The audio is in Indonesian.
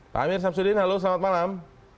pak amir samsudin halo selamat malam